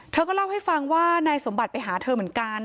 เธอก็เล่าให้ฟังว่านายสมบัติไปหาเธอเหมือนกัน